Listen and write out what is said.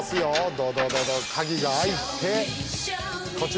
ドドドド鍵が開いてこちら。